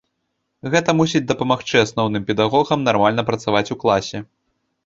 Гэта мусіць дапамагчы асноўным педагогам нармальна працаваць у класе.